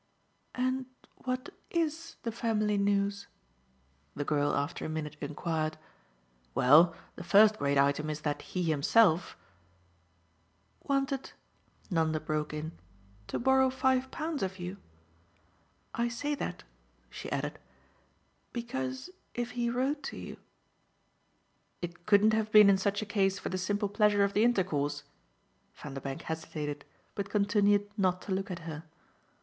"And what IS the family news?" the girl after a minute enquired. "Well, the first great item is that he himself " "Wanted," Nanda broke in, "to borrow five pounds of you? I say that," she added, "because if he wrote to you " "It couldn't have been in such a case for the simple pleasure of the intercourse?" Vanderbank hesitated, but continued not to look at her.